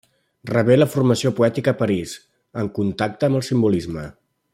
Rebé la formació poètica a París, en contacte amb el simbolisme.